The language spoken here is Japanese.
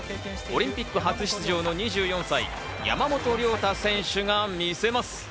オリンピック初出場の２４歳、山本涼太選手が見せます。